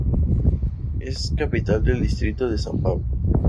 Es capital del distrito de San Pablo.